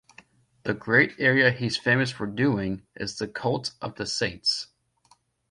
The great area he's famous for doing is the cult of the saints.